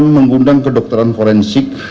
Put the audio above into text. mengundang kedokteran forensik